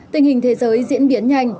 tình hình thế giới diễn biến nhanh